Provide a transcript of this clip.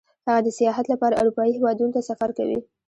هغه د سیاحت لپاره اروپايي هېوادونو ته سفر کوي